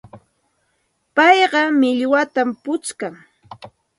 Payqa millwatam puchkan.